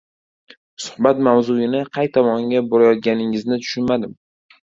— Suhbat mavzuini qay tomonga burayotganingizni tushundim.